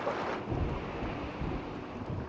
tuhan aku ingin menang